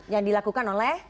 yang dilakukan oleh